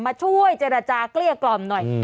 มาช่วยเจรจาเกลี้ยกล่อมหน่อย